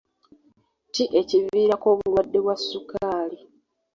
Ki ekiviirako obulwadde bwa sukaali?